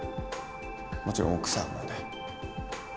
もちろん奥さんもね。